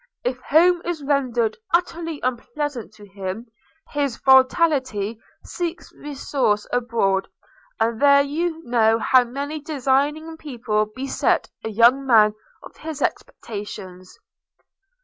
If home is rendered utterly unpleasant to him, his volatility seeks resource abroad; and there you know how many designing people beset a young man of his expectations.'